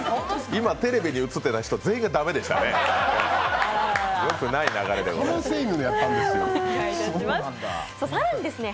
今、テレビに映ってた人全員がだめでしたね。